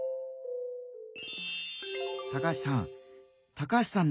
高橋さん。